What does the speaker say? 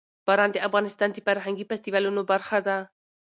باران د افغانستان د فرهنګي فستیوالونو برخه ده.